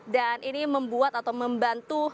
dan ini membuat atau membantu